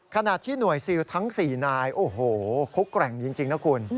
ขณะที่หน่วยซิลทั้ง๔นายโอ้โหเขาแกร่งจริงนะคุณ